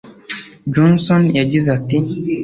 Johnson yagize ati